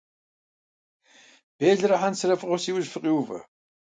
Белырэ хьэнцэрэ фӀыгъыу си ужь фыкъиувэ.